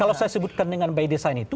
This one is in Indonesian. kalau saya sebutkan dengan by design itu